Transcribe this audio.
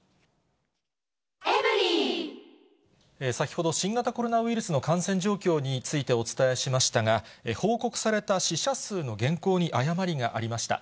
先ほど、新型コロナウイルスの感染状況についてお伝えしましたが、報告された死者数の原稿に誤りがありました。